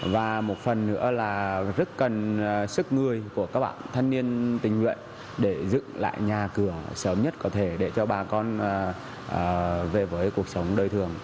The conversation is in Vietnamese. và một phần nữa là rất cần sức người của các bạn thanh niên tình nguyện để dựng lại nhà cửa sớm nhất có thể để cho bà con về với cuộc sống đời thường